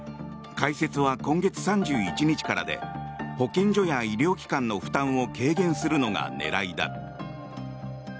開設は今月３１日からで保健所や医療機関の負担を軽減するのが狙いだ。